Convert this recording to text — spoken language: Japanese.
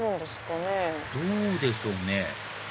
どうでしょうね？